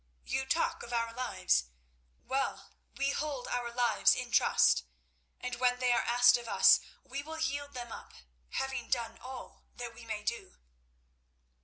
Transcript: You talk of our lives. Well, we hold our lives in trust, and when they are asked of us we will yield them up, having done all that we may do."